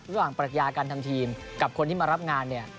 ปรัชญาการทำทีมกับคนที่มารับงานเนี่ย